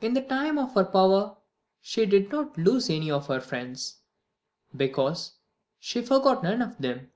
In the time of her power she did not lose any of her friends, because she forgot none of them.